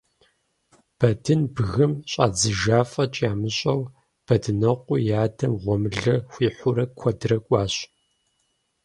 Бэдын бгым щадзыжа фӀэкӀ ямыщӀэу, Бэдынокъуи и адэм гъуэмылэ хуихьурэ куэдрэ кӀуащ.